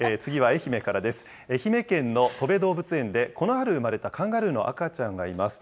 愛媛県のとべ動物園で、この春産まれたカンガルーの赤ちゃんがいます。